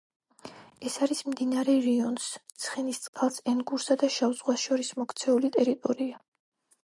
ეს არის მდინარე რიონს, ცხენისწყალს, ენგურსა და შავ ზღვას შორის მოქცეული ტერიტორია.